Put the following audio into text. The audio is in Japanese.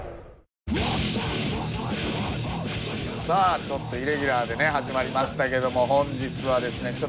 さあちょっとイレギュラーでね始まりましたけども本日はですね